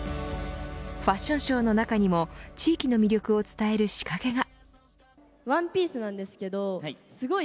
ファッションショーの中にも地域の魅力を伝える仕掛けが。